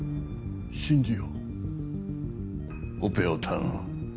信じようオペを頼む